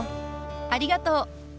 ありがとう。